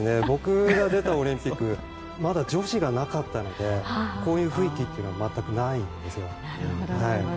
僕が出たオリンピックはまだ女子がなかったのでこういう雰囲気というのは全くないんですよ。